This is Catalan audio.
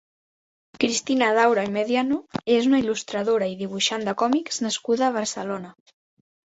Cristina Daura i Mediano és una il·lustradora i dibuixant de còmics nascuda a Barcelona.